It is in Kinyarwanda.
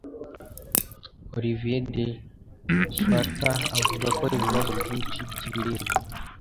Olivier De Schutter avuga ko ibibazo byinshi by'ibiribwa